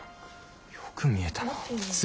よく見えたな。